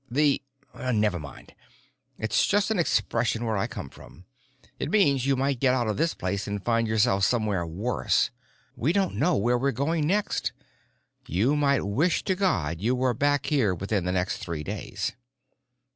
"The—never mind, it's just an expression where I come from. It means you might get out of this place and find yourself somewhere worse. We don't know where we're going next; you might wish to God you were back here within the next three days."